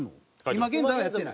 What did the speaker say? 今現在はやってない？